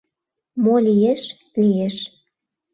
Мо лиеш, лиеш...